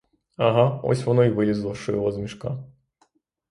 Ага, ось воно й вилізло шило з мішка.